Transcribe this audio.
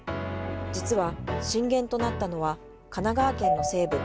実は震源となったのは神奈川県の西部。